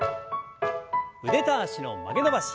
腕と脚の曲げ伸ばし。